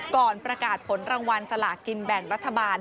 ก่อนประกาศผลรางวัลสลากินแบ่งรัฐบาล